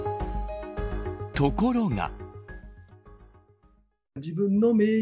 ところが。